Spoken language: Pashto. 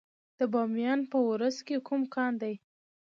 د بامیان په ورس کې کوم کان دی؟